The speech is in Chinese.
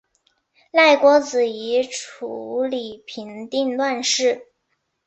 赖郭子仪处理平定乱事。